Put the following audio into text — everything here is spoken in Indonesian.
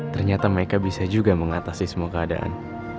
ternyata mereka bisa juga mengatasi semua keadaan